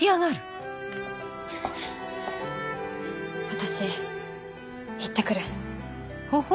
私行って来る。